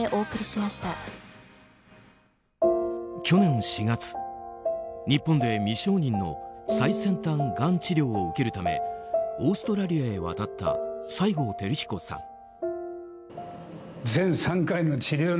去年４月、日本で未承認の最先端がん治療を受けるためオーストラリアへ渡った西郷輝彦さん。